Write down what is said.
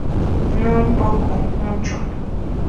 No un poco, mucho.